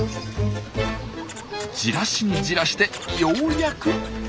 じらしにじらしてようやく渡しました。